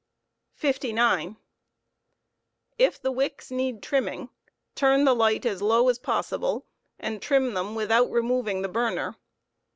^Trtmming 69. If the wicks need trimming, tnru the light as low as possible, and trim them without removing the burner.